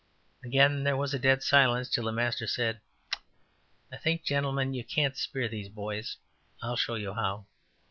'' Again there was a dead silence, till the master said: ``I think, gentlemen, you can't speer these boys; I'll show you how.''